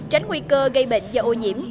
tránh nguy cơ gây bệnh do ô nhiễm